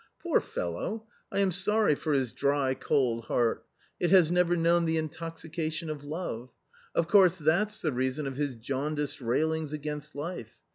Poor fellow ! I am sorry for his dry, cold heart : it has never known the intoxication of love ; of course that's the reason of his jaundiced railings against life.